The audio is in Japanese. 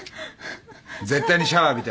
絶対にシャワー浴びて。